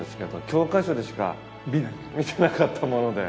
教科書でしか見てなかったもので。